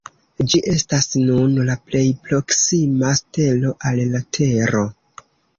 Ĝi estas nun la plej proksima stelo al la Tero.